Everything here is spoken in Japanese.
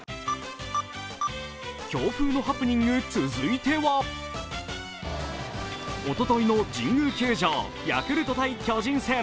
強風のハプニング、続いてはおとといの神宮球場、ヤクルト×巨人戦。